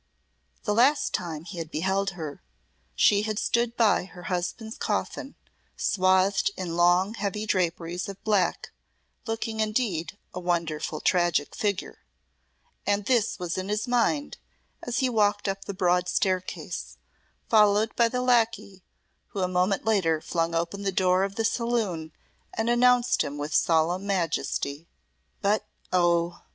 The last time he had beheld her, she had stood by her husband's coffin, swathed in long, heavy draperies of black, looking indeed a wonderful tragic figure; and this was in his mind as he walked up the broad staircase, followed by the lacquey, who a moment later flung open the door of the saloon and announced him with solemn majesty. But oh!